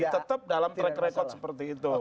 tetap dalam track record seperti itu